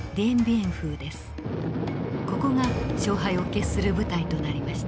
ここが勝敗を決する舞台となりました。